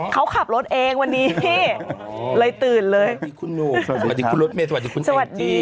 เขาขับรถเองวันนี้เลยตื่นเลยสวัสดีครับคุณลดมัยสวัสดีคุณแองชี